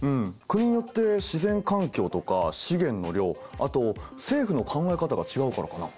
国によって自然環境とか資源の量あと政府の考え方が違うからかな？